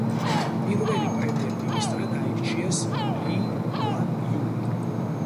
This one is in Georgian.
პირველი პრემიერ-მინისტრად აირჩიეს ლი კუან იუ.